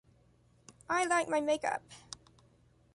I like my makeup.